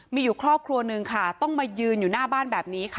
มีอยู่ครอบครัวนึงค่ะต้องมายืนอยู่หน้าบ้านแบบนี้ค่ะ